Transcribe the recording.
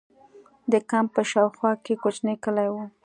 د کمپ په شا او خوا کې کوچنۍ کلي وو.